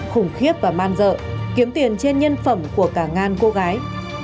khủng khiếp và man dợ kiếm tiền trên nhân phẩm của cả ngàn cô gái